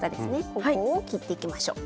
ここを切っていきましょう。